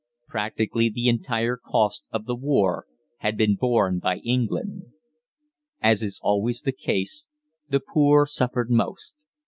Practically the entire cost of the war had been borne by England. As is always the case, the poor suffered most.